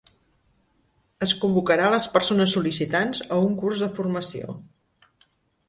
Es convocarà les persones sol·licitants a un curs de formació.